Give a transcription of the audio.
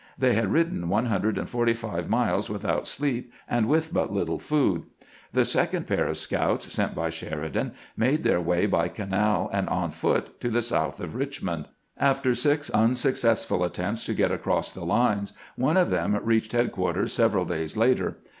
TJiey had ridden one hundred and forty five miles with out sleep and with but little food. The second pair of scouts sent by Sheridan made their way by canal and on foot to the south of Richmond. After six unsuc cessful attempts to get across the lines, one of them reached headquarters several days later.